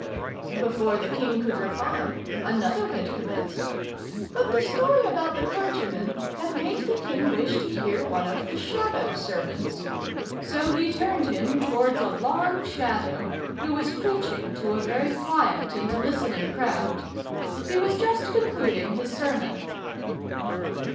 Before the king could reply, another had commenced. But the story about the clergyman had made the king wish to hear one of the shadow sermons. So he turned him towards a long Shadow, who was preaching to a very quiet and listening crowd. He was just concluding his sermon.